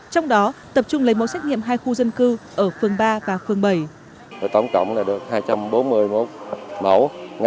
trong đó tập trung lấy mẫu xét nghiệm hai khu dân cư ở phường ba và phường bảy